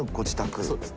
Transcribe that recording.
そうですね。